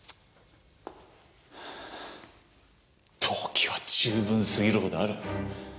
動機は十分すぎるほどある。